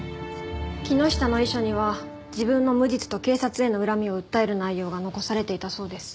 木下の遺書には自分の無実と警察への恨みを訴える内容が残されていたそうです。